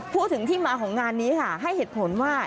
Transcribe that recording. พูดถึงที่มาของงานนี้ค่ะให้เหตุผลว่า